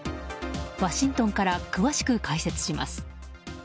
ワシントンから詳しく解説します。